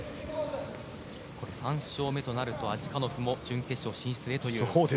３勝目となるとアジカノフも準決勝進出と。